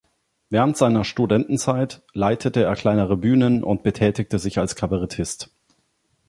Während seiner Studentenzeit leitete er kleinere Bühnen und betätigte sich als Kabarettist.